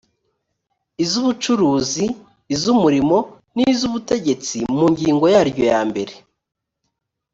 iz ubucuruzi iz umurimo n iz ubutegetsi mu ngingo yaryo yambere